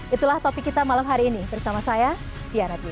itulah topik kita malam hari ini bersama saya diana dwi